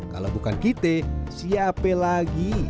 kalau bukan kita siapa lagi